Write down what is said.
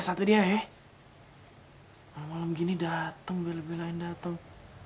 gila ya satu dia ya malem malem gini dateng beli beli lain dateng